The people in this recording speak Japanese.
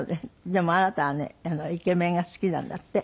でもあなたはねイケメンが好きなんだって。